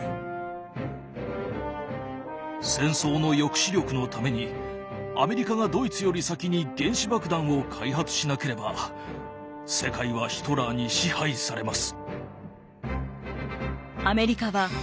「戦争の抑止力のためにアメリカがドイツより先に原子爆弾を開発しなければ世界はヒトラーに支配されます」。